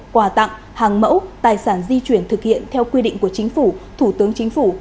quà tặng hàng mẫu tài sản di chuyển thực hiện theo quy định của chính phủ thủ tướng chính phủ